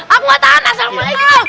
aku gak tahan asal